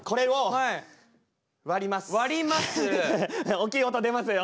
おっきい音出ますよ。